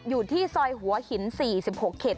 อยู่ที่ซอยหัวหิน๔๖เขต